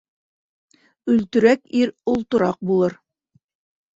Өлтөрәк ир олтораҡ булыр.